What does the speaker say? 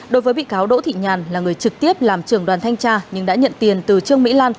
đối với bị cáo đỗ thị nhàn là người trực tiếp làm trưởng đoàn thanh tra nhưng đã nhận tiền từ trương mỹ lan